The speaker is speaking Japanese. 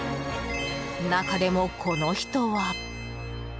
中でも、この人は。